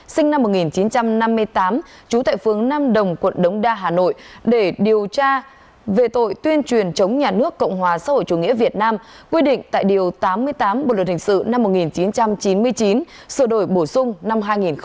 sinh năm một nghìn chín trăm năm mươi tám trú tại phương nam đồng quận đống đa hà nội để điều tra về tội tuyên truyền chống nhà nước cộng hòa xã hội chủ nghĩa việt nam quy định tại điều tám mươi tám bộ luật hình sự năm một nghìn chín trăm chín mươi chín sửa đổi bổ sung năm hai nghìn một mươi năm